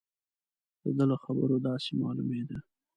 د ده له خبرو داسې معلومېده.